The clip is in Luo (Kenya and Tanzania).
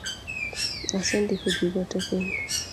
Asendiko gigo tee piny